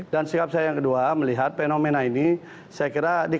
dan sikap saya yang kedua melihat fenomena ini saya kira dikembalikan saja pada angka depan